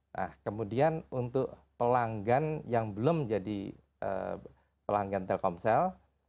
nah kemudian untuk pelanggan yang belum jadi pelanggan telkomsel